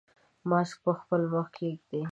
ماسک په خپل مخ کېږدئ.